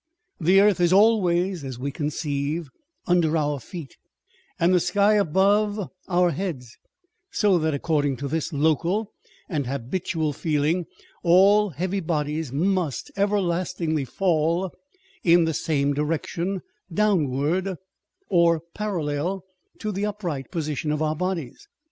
The earth is always (as we conceive) under our feet, and the sky above our heads, so that according to this local and habitual feeling, all heavy bodies must everlastingly fall in the same direction downwards, or parallel to the upright position of our bodies.